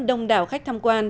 đông đảo khách tham quan